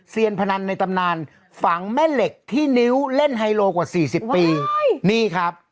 พนันในตำนานฝังแม่เหล็กที่นิ้วเล่นไฮโลกว่าสี่สิบปีนี่ครับ